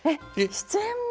出演も？